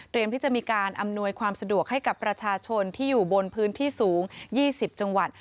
ที่จะมีการอำนวยความสะดวกให้กับประชาชนที่อยู่บนพื้นที่สูง๒๐จังหวัด